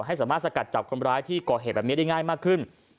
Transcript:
ให้สามารถสกัดจับคนร้ายที่ก่อเหตุแบบนี้ได้ง่ายมากขึ้น